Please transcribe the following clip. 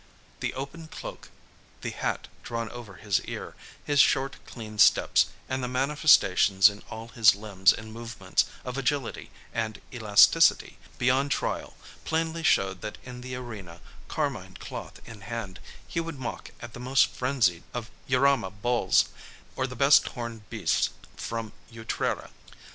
The open cloak, the hat drawn over his ear, his short, clean steps, and the manifestations in all his limbs and movements of agility and elasticity beyond trial plainly showed that in the arena, carmine cloth in hand, he would mock at the most frenzied of Jarama bulls, or the best horned beasts from Utrera.